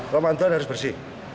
romantun harus bersih